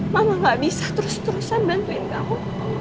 mama gak bisa terus terusan bantuin kamu